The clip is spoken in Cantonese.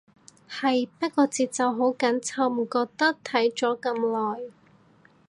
係，不過節奏好緊湊，唔覺睇咗咁耐